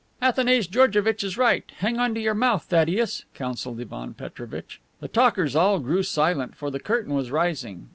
"Athanase Georgevitch is right; hang onto your mouth, Thaddeus," counseled Ivan Petrovitch. The talkers all grew silent, for the curtain was rising.